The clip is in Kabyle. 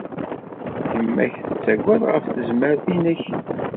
Yemma-k tettagad ɣef tezmert-nnek.